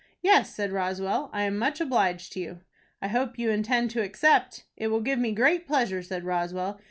"Yes," said Roswell. "I am much obliged to you." "I hope you intend to accept." "It will give me great pleasure," said Roswell.